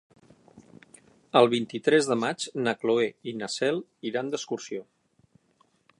El vint-i-tres de maig na Cloè i na Cel iran d'excursió.